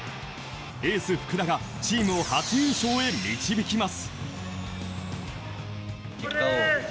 エース、福田がチームを初優勝へ導きます。